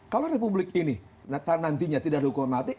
kalau republik ini nantinya tidak ada hukuman mati